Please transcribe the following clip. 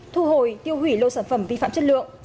thu hồi tiêu hủy lô sản phẩm vi phạm chất lượng